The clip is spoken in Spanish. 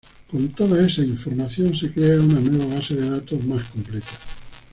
Con toda esa información se crea una nueva base de datos más completa.